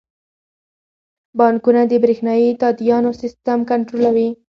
بانکونه د بریښنايي تادیاتو سیستم کنټرولوي.